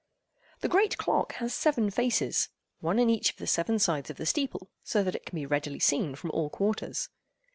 The great clock has seven faces—one in each of the seven sides of the steeple—so that it can be readily seen from all quarters.